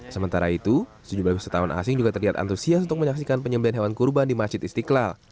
sementara itu tujuh baris setahun asing juga terlihat antusias untuk menyaksikan penyembelian hewan kurban di masjid istiqlal